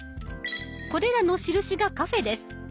これらの印がカフェです。